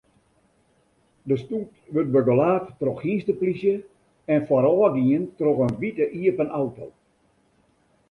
De stoet wurdt begelaat troch hynsteplysje en foarôfgien troch in wite iepen auto.